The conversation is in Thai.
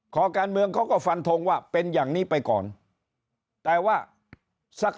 ขอการเมืองเขาก็ฟันทงว่าเป็นอย่างนี้ไปก่อนแต่ว่าสัก